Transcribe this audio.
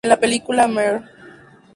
En la película "Mr.